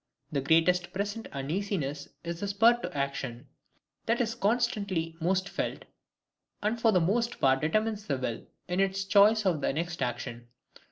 The greatest present uneasiness is the spur to action, that is constantly most felt, and for the most part determines the will in its choice of the next action.